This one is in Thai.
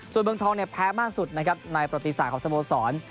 ส่วนเบื้องท้องแพ้มากสุดในประติศาสตร์ของสโมสร